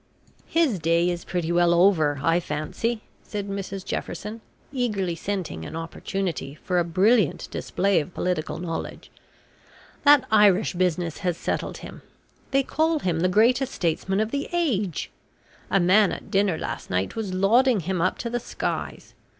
"His day is pretty well over, I fancy," said Mrs Jefferson, eagerly scenting an opportunity for a brilliant display of political knowledge. "That Irish business has settled him. They call him the greatest statesman of the age! A man at dinner last night was lauding him up to the skies.